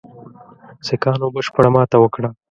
سیکهانو بشپړه ماته وکړه.